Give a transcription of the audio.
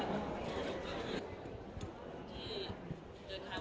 สวัสดีครับ